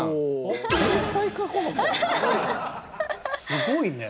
すごいね。